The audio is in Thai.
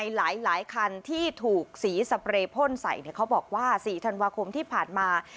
หลายคันที่ถูกสีสเปรย์พ่นใส่เขาบอกว่า๔ธันวาคมที่ผ่านมา